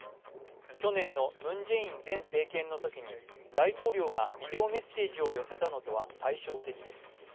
去年のムン・ジェイン前政権のときに大統領がビデオメッセージを寄せたのとは対照的です。